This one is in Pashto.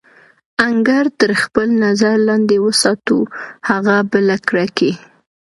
انګړ تر خپل نظر لاندې وساتو، هغه بله کړکۍ.